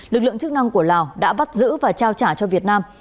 lực lượng chức năng của lào đã bắt giữ và trao trả cho việt nam